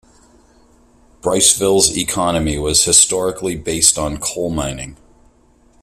Briceville's economy was historically based on coal mining.